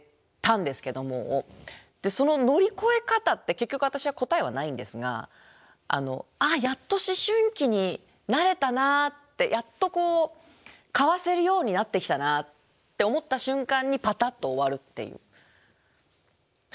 その乗り越え方って結局私は答えはないんですが「あやっと思春期に慣れたな」って「やっとかわせるようになってきたな」って思った瞬間にパタッと終わるっていう。